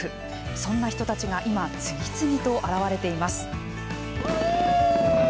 そんな人たちが今、次々と現れています。